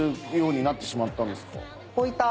こういった。